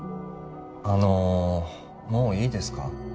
あのもういいですか？